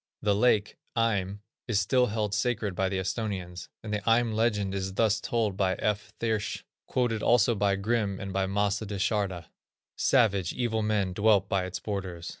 The lake, Eim, is still held sacred by the Esthonians, and the Eim legend is thus told by F. Thiersch, quoted also by Grimm and by Mace da Charda: "Savage, evil men dwelt by its borders.